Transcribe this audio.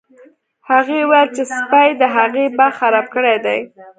هغې وویل چې سپي د هغې باغ خراب کړی دی